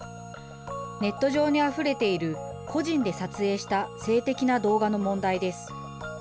ネット上にあふれている、個人で撮影した性的な動画の問題です。